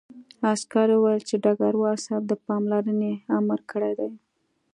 عسکر وویل چې ډګروال صاحب د پاملرنې امر کړی دی